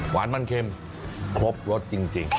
หวานมันเค็มครบรสจริง